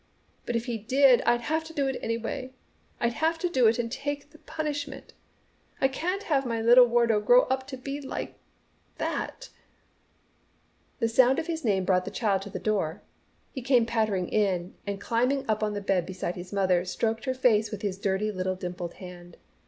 But if he did I'd have to do it anyway. I'd have to do it and take the punishment. I can't have my little Wardo grow up to be like that." The sound of his name brought the child to the door. He came pattering in, and climbing up on the bed beside his mother, stroked her face with his dirty little dimpled hand.